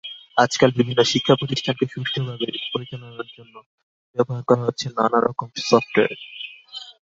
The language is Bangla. আজকাল বিভিন্ন শিক্ষাপ্রতিষ্ঠানকে সুষ্ঠুভাবে পরিচালনার জন্য ব্যবহার করা হচ্ছে নানা রকম সফটওয়্যার।